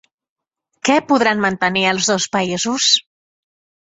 Què podran mantenir els dos països?